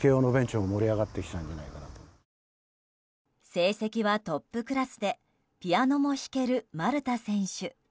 成績はトップクラスでピアノも弾ける丸田選手。